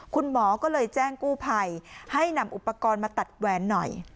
คุณหมอก็เลยแจ้งกู้ภัยให้นำอุปกรณ์มาตัดแหวนหน่อย